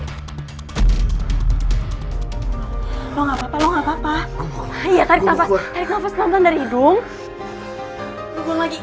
keluarin gua dari sini